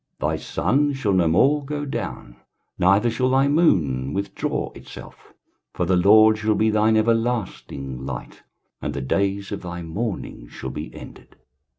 23:060:020 Thy sun shall no more go down; neither shall thy moon withdraw itself: for the LORD shall be thine everlasting light, and the days of thy mourning shall be ended.